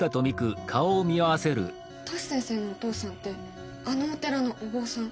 トシ先生のお父さんってあのお寺のお坊さん？